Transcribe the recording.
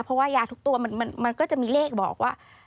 เพราะว่ายาทุกตัวมันก็จะมีเลขบอกว่า